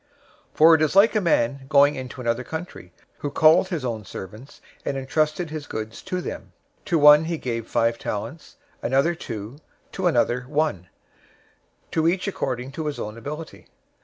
025:014 "For it is like a man, going into another country, who called his own servants, and entrusted his goods to them. 025:015 To one he gave five talents, to another two, to another one; to each according to his own ability.